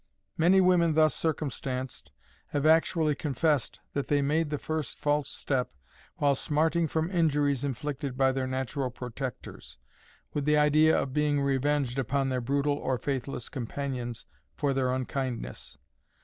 Many women thus circumstanced have actually confessed that they made the first false step while smarting from injuries inflicted by their natural protectors, with the idea of being revenged upon their brutal or faithless companions for their unkindness.